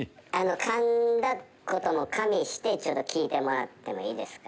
かんだことも加味して聞いてもらってもいいですか？